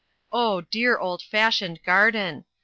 Oh, dear old fashioned garden!